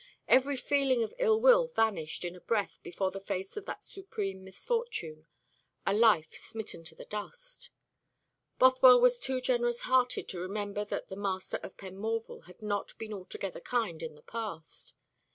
Every feeling of ill will vanished in a breath before the face of that supreme misfortune a life smitten to the dust. Bothwell was too generous hearted to remember that the master of Penmorval had not been altogether kind in the past.